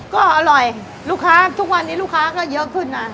ก็อร่อยลูกค้าทุกวันนี้ลูกค้าก็เยอะขึ้นนาน